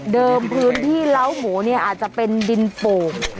พื้นที่เล้าหมูเนี่ยอาจจะเป็นดินโป่ง